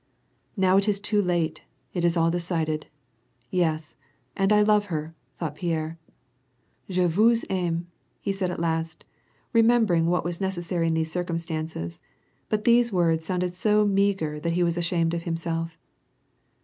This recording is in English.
"Now it is too late, it is all decided; yes, and I love her," thoui^ht Pierre. "r/p vous aime,^^ he said, at last remembering what was necessary in these circumstances ; but these words sounded so meagre that he was ashamed of himself.